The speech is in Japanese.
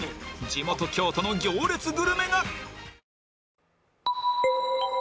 地元京都の行列グルメが！